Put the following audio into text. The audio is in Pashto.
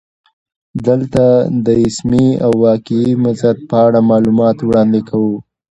دلته د اسمي او واقعي مزد په اړه معلومات وړاندې کوو